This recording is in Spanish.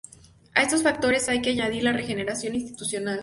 A estos factores hay que añadir la regeneración institucional.